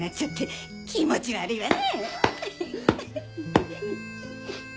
気持ち悪いわね。